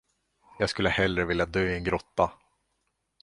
Jag skulle hellre vilja dö i en grotta.